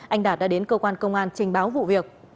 anh đạt đã đến cơ quan công an trình báo vụ việc